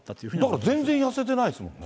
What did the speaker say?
だから全然、痩せてないですもんね。